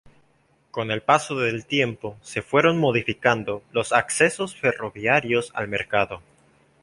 Con el paso del tiempo se fueron modificando los accesos ferroviarios al Mercado.